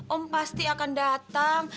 om pasti akan datang